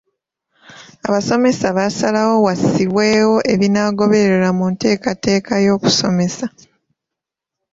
Abasomesa baasalawo wassibwewo ebinaagobererwa mu nteekateeka y'okusomesa.